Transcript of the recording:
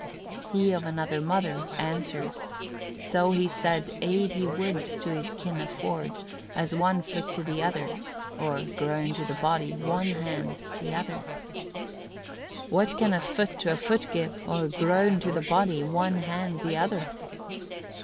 14. He of another mother answered: so he said aid he would to his kin afford, as one foot to the other [or, grown to the body, one hand the other]. 15. "What can a foot to a foot give; or, grown to the body, one hand the other?"